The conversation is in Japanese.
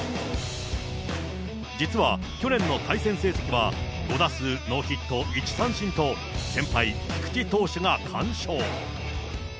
実は、去年の対戦成績は５打数ノーヒット１三振と、先輩、菊池投手が完勝。